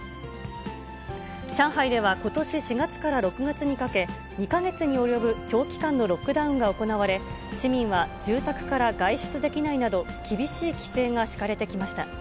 上海ではことし４月から６月にかけ、２か月に及ぶ長期間のロックダウンが行われ、市民は住宅から外出できないなど、厳しい規制が敷かれてきました。